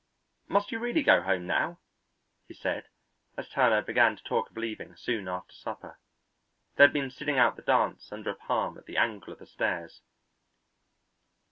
"Must you really go home now?" he said, as Turner began to talk of leaving, soon after supper. They had been sitting out the dance under a palm at the angle of the stairs.